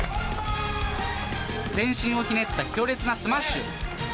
全身をひねった強烈なスマッシュ。